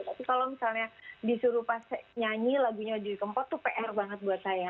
tapi kalau misalnya disuruh pas nyanyi lagunya di kempot tuh pr banget buat saya